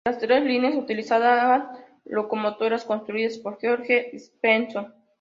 Las tres líneas utilizaban locomotoras construidas por George Stephenson.